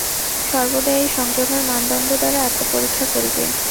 সর্বদা এই সংযমের মানদণ্ড দ্বারা আত্মপরীক্ষা করিবে।